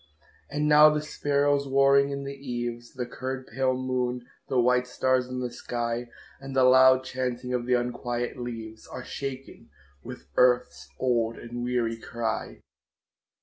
And now the sparrows warring in the eaves, The curd pale moon, the white stars in the sky, And the loud chaunting of the unquiet leaves Are shaken with earth's old and weary cry.